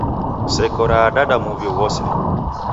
Seko raadada muw'i ghose.